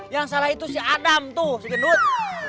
yang salah itu si adam tuh si gendut